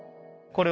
これ。